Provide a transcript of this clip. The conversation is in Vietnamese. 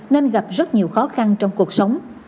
nên gặp rất nhiều khó khăn trong cuộc sống